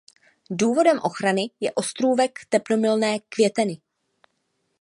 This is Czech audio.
Důvodem ochrany je ostrůvek teplomilné květeny.